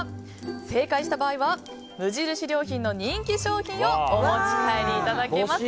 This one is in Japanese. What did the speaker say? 正解した場合は無印良品の人気商品をお持ち帰りいただけます。